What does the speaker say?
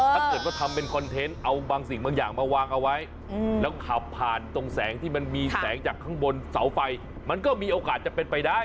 ถ้าเกิดว่าทำเป็นคอนเทนต์เอาบางสิ่งบางอย่างมาวางเอาไว้แล้วขับผ่านตรงแสงที่มันมีแสงจากข้างบนเสาไฟมันก็มีโอกาสจะเป็นไปได้